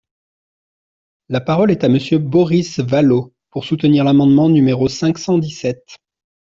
La parole est à Monsieur Boris Vallaud, pour soutenir l’amendement numéro cinq cent dix-sept.